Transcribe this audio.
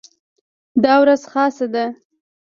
دا ورځ خاصه ده.